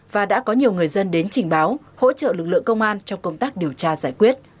và đã có nhiều người dân đến trình báo hỗ trợ lực lượng công an trong công tác điều tra giải quyết